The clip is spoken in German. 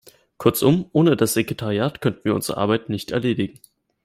Kurzum, ohne das Sekretariat könnten wir unsere Arbeit nicht erledigen.